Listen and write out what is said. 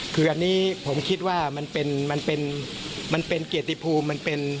คืออันนี้ผมคิดว่ามันเป็นเกียรติภูมิ